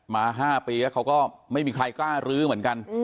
๕ปีแล้วเขาก็ไม่มีใครกล้ารื้อเหมือนกัน